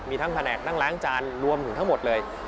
มีทั้งแผนกนั่งล้างจานรวมถึงทั้งหมดเลย